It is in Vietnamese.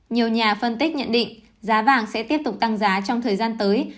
nhiều nhà phân tích nhận định giá vàng sẽ tiếp tục tăng giá trong thời gian tới